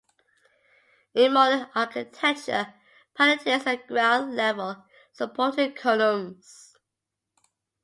In modern architecture, pilotis are ground-level supporting columns.